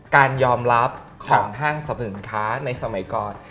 การยอมรับของห้างสรรพสินค้าในสมัยก่อน